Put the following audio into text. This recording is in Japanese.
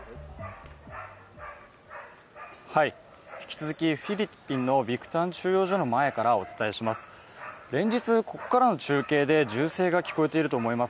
引き続き、フィリピンのビクタン収容所の前からお伝えします。